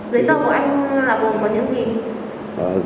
giấy tờ của anh là gồm có những gì